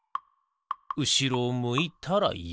うしろをむいたらやすむ。